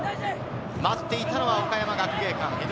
待っていたのは岡山学芸館。